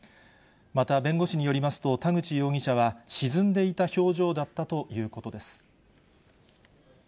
また弁護士によりますと、田口容疑者は、沈んでいた表情だったということです。